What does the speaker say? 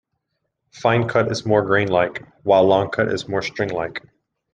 Fine cut is more grain-like, while long cut is more string-like.